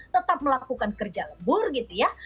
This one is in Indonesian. tetap melakukan kerja lembur gitu ya